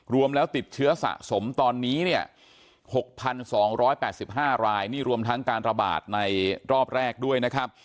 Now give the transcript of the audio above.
รวมแล้วติดเชื้อสะสมตอนนี้๖๒๘๕รายรวมทั้งการระบาดในรอบแรกด้วย